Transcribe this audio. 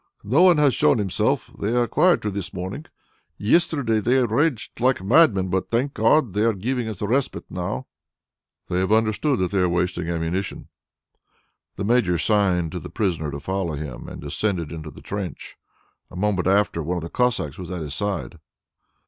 "Not one has shown himself. They are quieter this morning. Yesterday they raged like madmen, but thank God, they are giving us a respite now." "They have understood that they were wasting ammunition." The Major signed to the prisoner to follow him and descended into the trench. A moment after, one of the Cossacks was at his side.